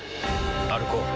歩こう。